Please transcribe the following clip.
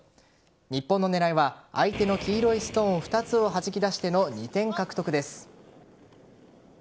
日本の狙いは相手の黄色いストーン２つをはじき出しての２点獲得です。